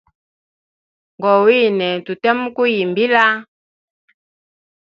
Ngowine tuke muku yimbila.